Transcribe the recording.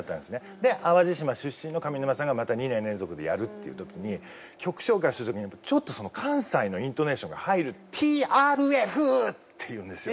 で淡路島出身の上沼さんがまた２年連続でやるっていう時に曲紹介する時にちょっとその関西のイントネーションが入る「ティーアールエフ」って言うんですよ。